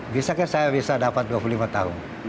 bisa kan saya bisa dapat dua puluh lima tahun